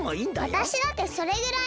わたしだってそれぐらいはできるの！